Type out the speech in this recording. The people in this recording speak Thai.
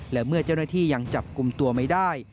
และเมื่อเจ้าหน้าที่ยังจับกลุ่มตัวไม่ได้